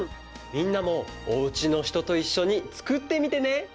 みんなもおうちのひとといっしょにつくってみてね！